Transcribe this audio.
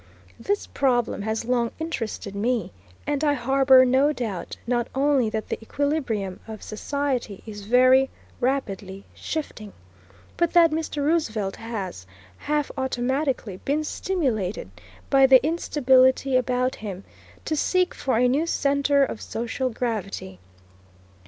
This problem has long interested me, and I harbor no doubt not only that the equilibrium of society is very rapidly shifting, but that Mr. Roosevelt has, half automatically, been stimulated by the instability about him to seek for a new centre of social gravity.